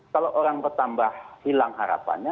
kalau orang bertambah hilang harapannya